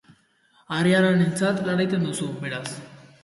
Arriaranentzat lan egiten duzu, beraz.